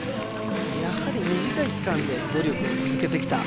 やはり短い期間で努力を続けてきた